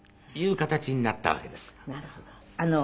いう形になったわけです。